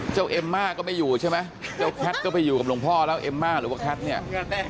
เจ้าเอมม่าก็ไม่อยู่ใช่ไหมก็ไปอยู่กับลงพ่อแล้วเอมม่าหรือว่า